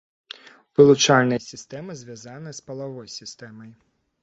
Вылучальная сістэма звязаная з палавой сістэмай.